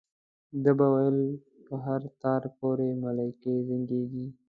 ده به ویل په هر تار پورې ملایکې زنګېږي.